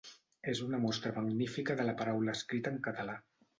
“És una mostra magnífica de la paraula escrita en català”.